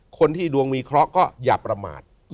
คนที่ดวงมีเคราะห์ก็อย่าประมาท